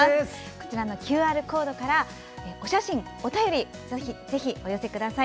こちらのＱＲコードからお写真、お便りお寄せください。